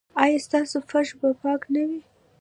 ایا ستاسو فرش به پاک نه وي؟